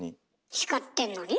叱ってんのにね。